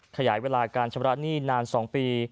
ขยายเวลาการชำระหนี้นาน๒ปี